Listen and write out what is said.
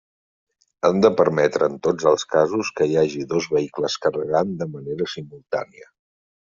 Han de permetre en tots els casos que hi hagi dos vehicles carregant de manera simultània.